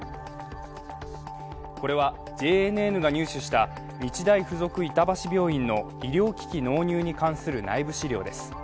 これはＪＮＮが入手した日大附属板橋病院の医療機器納入に関する内部資料です。